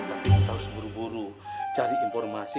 berarti kita harus buru buru cari informasi